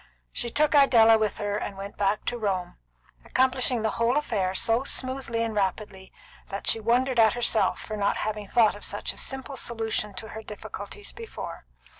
She took Idella with her and went back to Rome, accomplishing the whole affair so smoothly and rapidly that she wondered at herself for not having thought of such a simple solution of her difficulties before.